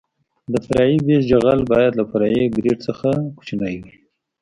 د فرعي بیس جغل باید له فرعي ګریډ څخه کوچنی وي